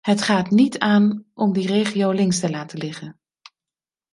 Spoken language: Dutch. Het gaat niet aan om die regio links te laten liggen.